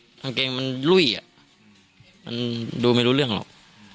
กางเกงมันลุ้ยมันดูไม่รู้เรื่องหรอก